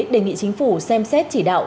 đề nghị chính phủ xem xét chỉ đạo